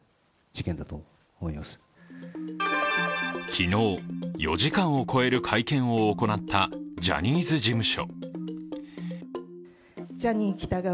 昨日４時間を超える会見を行ったジャニーズ事務所。